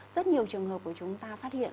rất nhiều trường hợp của chúng ta phát hiện